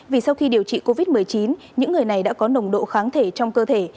vì sau khi điều trị covid một mươi chín những người này đã có nồng độ kháng thể trong cơ thể